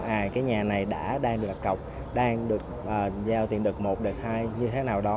à cái nhà này đã đang được đặt cọc đang được giao tiền đợt một đợt hai như thế nào đó